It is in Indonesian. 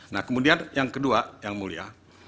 nah kemudian yang kedua yang mulia